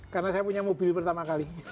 karena saya punya mobil pertama kali